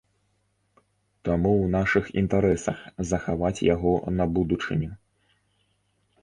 Таму ў нашых інтарэсах захаваць яго на будучыню.